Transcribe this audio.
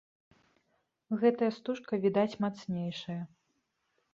Гэтая стужка, відаць, мацнейшая.